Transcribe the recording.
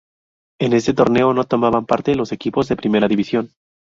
En este torneo no tomaban parte los equipos de primera división.